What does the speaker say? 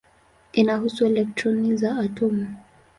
Inahusu elektroni za atomu.